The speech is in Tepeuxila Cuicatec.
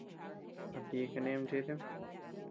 ¿A ti kane machetem?